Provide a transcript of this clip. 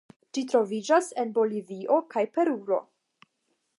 Ĝi troviĝas en Bolivio kaj Peruo.